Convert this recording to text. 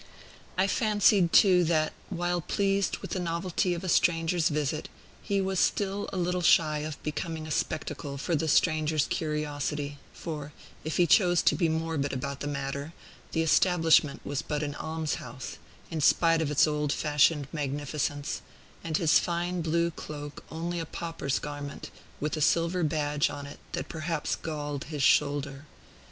I fancied, too, that, while pleased with the novelty of a stranger's visit, he was still a little shy of becoming a spectacle for the stranger's curiosity; for, if he chose to be morbid about the matter, the establishment was but an almshouse, in spite of its old fashioned magnificence, and his fine blue cloak only a pauper's garment, with a silver badge on it that perhaps galled his shoulder.